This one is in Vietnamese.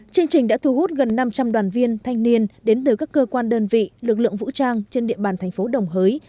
chương trình đã thu hút gần năm trăm linh đoàn viên thanh niên đến từ các cơ quan đơn vị lực lượng vũ trang trên địa bàn thành phố đồng hới